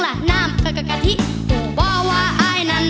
ไหน